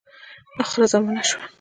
آخره زمانه سوه .